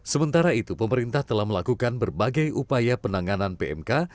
sementara itu pemerintah telah melakukan berbagai upaya penanganan pmk